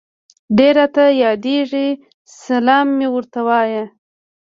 ډير راته ياديږي سلام مي ورته وايه